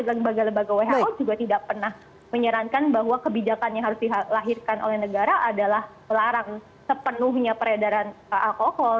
lembaga lembaga who juga tidak pernah menyarankan bahwa kebijakan yang harus dilahirkan oleh negara adalah melarang sepenuhnya peredaran alkohol